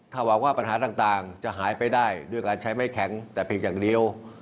ถ้าหวังว่าปัญหาต่างจะหายไปได้ด้วยการใช้ไม่แข็งแต่เพียงอย่างเดียว